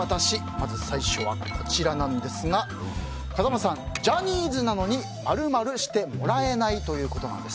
まず最初はこちらなんですが風間さん、ジャニーズなのに○○してもらえないということなんです。